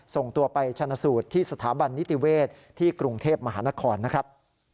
ส่งตัวไปชนะสูตรที่สถาบันนิติเวศที่กรุงเทพมหานครนะครับ